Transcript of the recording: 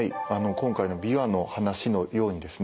今回のビワの話のようにですね